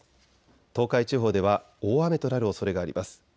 東海地方では大雨となるおそれがあります。